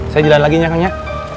saya jalan lagi nih kang ya